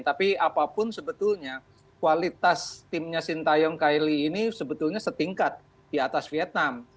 tapi apapun sebetulnya kualitas timnya sintayong khaili ini sebetulnya setingkat di atas vietnam